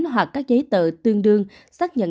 hoặc các giấy tờ tương đương xác nhận